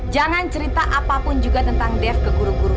jangan cerita apapun juga tentang dev ke guru guru